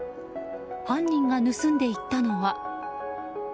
犯人が盗んでいったのは。